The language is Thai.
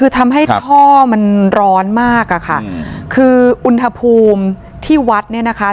คือทำให้ท่อมันร้อนมากอะค่ะคืออุณหภูมิที่วัดเนี่ยนะคะ